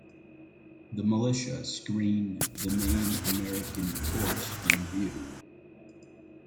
The militia screened the main American force from view.